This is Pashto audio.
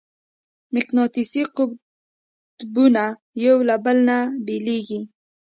مقناطیسي قطبونه یو له بله نه بېلېږي.